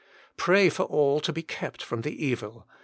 Pray for all to be kept from the evil.